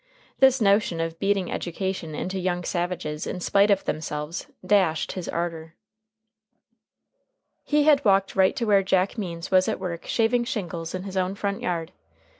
This notion of beating education into young savages in spite of themselves dashed his ardor. He had walked right to where Jack Means was at work shaving shingles in his own front yard.